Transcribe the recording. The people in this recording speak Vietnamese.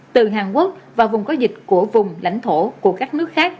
từ hàn quốc và vùng có dịch của vùng lãnh thổ của các nước khác